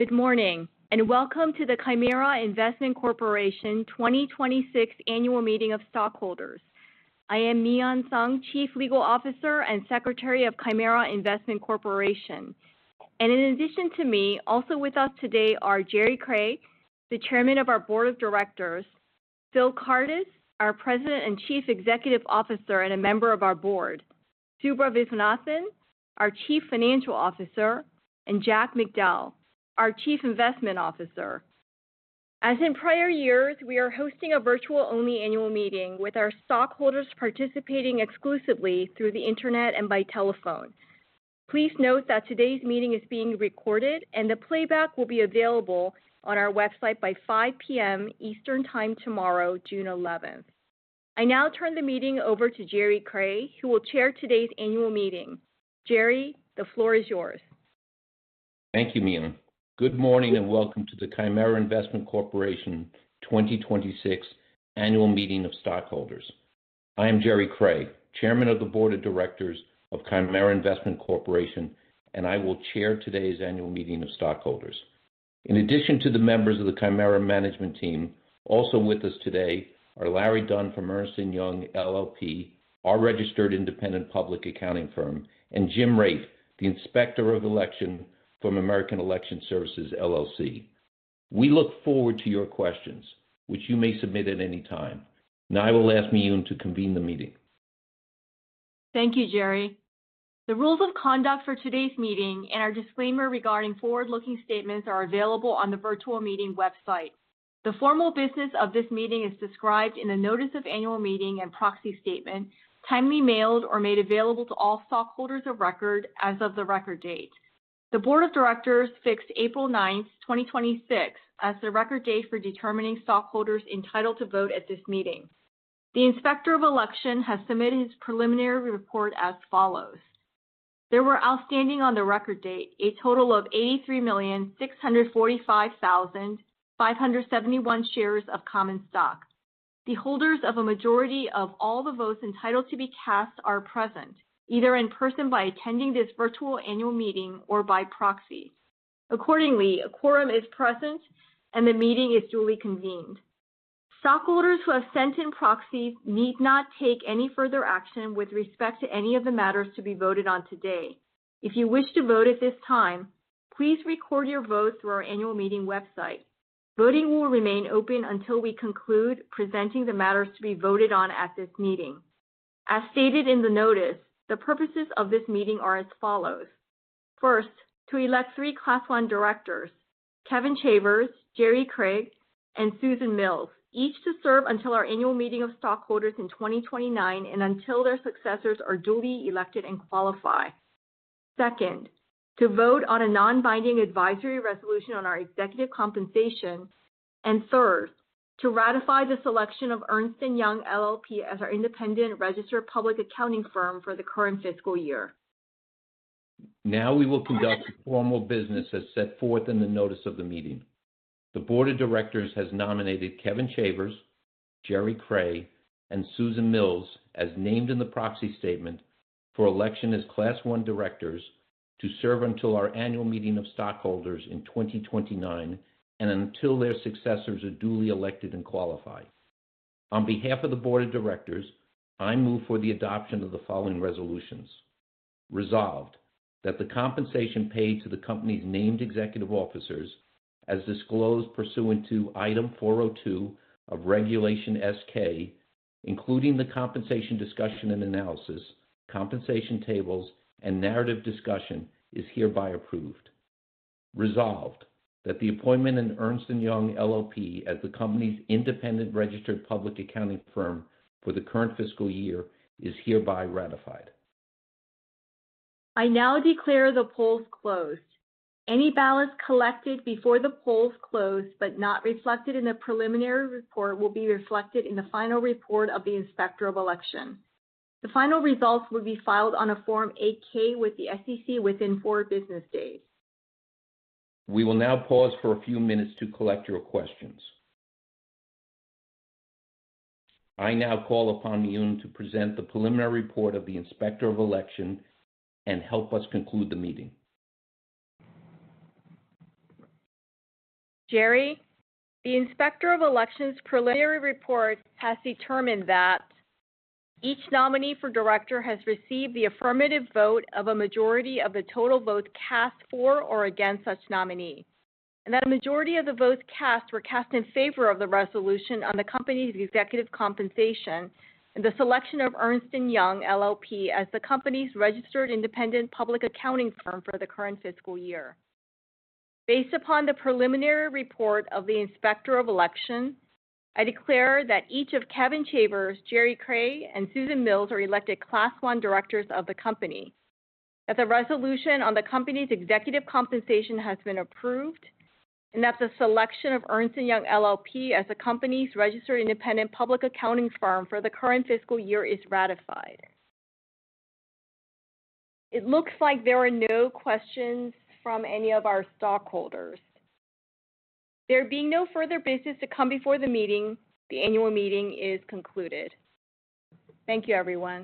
Good morning, welcome to the Chimera Investment Corporation 2026 annual meeting of stockholders. I am Miyun Sung, Chief Legal Officer and Secretary of Chimera Investment Corporation. In addition to me, also with us today are Gerry Creagh, the Chairman of our Board of Directors, Phil Kardis, our President and Chief Executive Officer, and a member of our board, Subra Viswanathan, our Chief Financial Officer, and Jack Macdowell, our Chief Investment Officer. As in prior years, we are hosting a virtual-only annual meeting with our stockholders participating exclusively through the internet and by telephone. Please note that today's meeting is being recorded, the playback will be available on our website by 5:00 P.M. Eastern Time tomorrow, June 11th. I now turn the meeting over to Gerry Creagh, who will chair today's annual meeting. Gerry, the floor is yours. Thank you, Miyun. Good morning and welcome to the Chimera Investment Corporation 2026 annual meeting of stockholders. I am Gerry Creagh, Chairman of the Board of Directors of Chimera Investment Corporation, I will chair today's annual meeting of stockholders. In addition to the members of the Chimera management team, also with us today are Larry Dunn from Ernst & Young LLP, our registered independent public accounting firm, and Jim Raitt, the Inspector of Election from American Election Services, LLC. We look forward to your questions, which you may submit at any time. I will ask Miyun to convene the meeting. Thank you, Gerry. The rules of conduct for today's meeting and our disclaimer regarding forward-looking statements are available on the virtual meeting website. The formal business of this meeting is described in a notice of annual meeting and proxy statement, timely mailed or made available to all stockholders of record as of the record date. The Board of Directors fixed April 9th, 2026, as the record date for determining stockholders entitled to vote at this meeting. The Inspector of Election has submitted his preliminary report as follows. There were outstanding on the record date, a total of 83,645,571 shares of common stock. The holders of a majority of all the votes entitled to be cast are present, either in person by attending this virtual annual meeting or by proxy. Accordingly, a quorum is present, the meeting is duly convened. Stockholders who have sent in proxies need not take any further action with respect to any of the matters to be voted on today. If you wish to vote at this time, please record your vote through our annual meeting website. Voting will remain open until we conclude presenting the matters to be voted on at this meeting. As stated in the notice, the purposes of this meeting are as follows. First, to elect 3 Class I directors, Kevin Chavers, Gerry Creagh, and Susan Mills, each to serve until our annual meeting of stockholders in 2029 and until their successors are duly elected and qualify. Second, to vote on a non-binding advisory resolution on our executive compensation. Third, to ratify the selection of Ernst & Young LLP as our independent registered public accounting firm for the current fiscal year. Now we will conduct the formal business as set forth in the notice of the meeting. The Board of Directors has nominated Kevin Chavers, Gerry Creagh, and Susan Mills, as named in the proxy statement, for election as Class I directors to serve until our annual meeting of stockholders in 2029 and until their successors are duly elected and qualify. On behalf of the Board of Directors, I move for the adoption of the following resolutions. Resolved, that the compensation paid to the company's named executive officers, as disclosed pursuant to Item 402 of Regulation S-K, including the compensation discussion and analysis, compensation tables, and narrative discussion, is hereby approved. Resolved, that the appointment of Ernst & Young LLP as the company's independent registered public accounting firm for the current fiscal year is hereby ratified. I now declare the polls closed. Any ballots collected before the polls closed but not reflected in the preliminary report will be reflected in the final report of the Inspector of Election. The final results will be filed on a Form 8-K with the SEC within four business days. We will now pause for a few minutes to collect your questions. I now call upon Miyun to present the preliminary report of the Inspector of Election and help us conclude the meeting. Gerry, the Inspector of Election's preliminary report has determined that each nominee for director has received the affirmative vote of a majority of the total votes cast for or against such nominee, and that a majority of the votes cast were cast in favor of the resolution on the company's executive compensation and the selection of Ernst & Young LLP as the company's registered independent public accounting firm for the current fiscal year. Based upon the preliminary report of the Inspector of Election, I declare that each of Kevin Chavers, Gerry Creagh, and Susan Mills are elected Class I directors of the company, that the resolution on the company's executive compensation has been approved, and that the selection of Ernst & Young LLP as the company's registered independent public accounting firm for the current fiscal year is ratified. It looks like there are no questions from any of our stockholders. There being no further business to come before the meeting, the annual meeting is concluded. Thank you, everyone.